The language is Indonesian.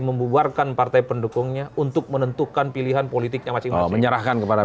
membubarkan partai pendukungnya untuk menentukan pilihan politiknya masing masing menyerahkan kepada